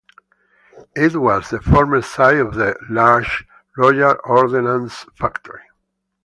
It was the former site of a large Royal Ordnance Factory.